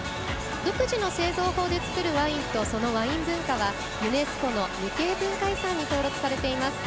独自の製造法で造るワインとそのワイン文化はユネスコの無形文化遺産に登録されています。